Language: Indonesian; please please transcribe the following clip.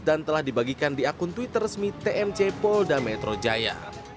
dan telah dibagikan di akun twitter resmi tmc polda metro jaya